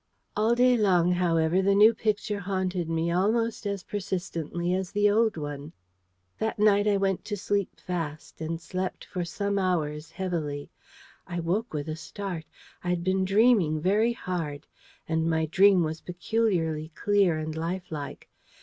All day long, however, the new picture haunted me almost as persistently as the old one. That night I went to sleep fast, and slept for some hours heavily. I woke with a start. I had been dreaming very hard. And my dream was peculiarly clear and lifelike.